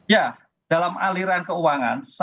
ya dalam aliran keuangan